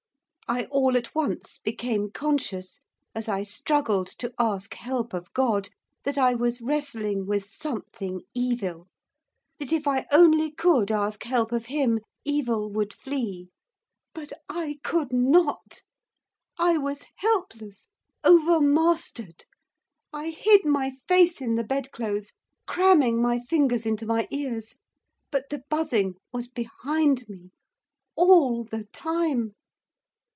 I all at once became conscious, as I struggled to ask help of God, that I was wrestling with something evil, that if I only could ask help of Him, evil would flee. But I could not. I was helpless, overmastered. I hid my face in the bedclothes, cramming my fingers into my ears. But the buzzing was behind me all the time.